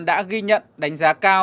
đã ghi nhận đánh giá cao